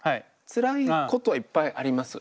つらいことはいっぱいあります。